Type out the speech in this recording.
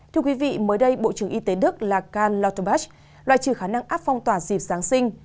thưa quý vị mới đây bộ trưởng y tế đức lakan lotobach loại trừ khả năng áp phong tỏa dịp giáng sinh